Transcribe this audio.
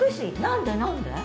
何で何で？